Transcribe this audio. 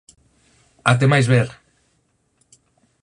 Até máis ver.